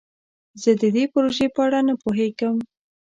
زه د دې پروژې په اړه نه پوهیږم.